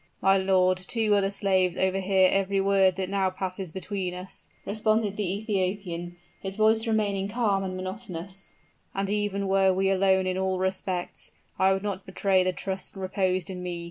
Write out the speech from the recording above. "My lord, two other slaves overhear every word that now passes between us," responded the Ethiopian, his voice remaining calm and monotonous; "and even were we alone in all respects, I would not betray the trust reposed in me.